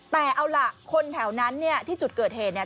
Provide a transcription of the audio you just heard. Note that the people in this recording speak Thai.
แต่เอาล่ะคนแถวนั้นเนี่ยที่จุดเกิดเหตุเนี่ย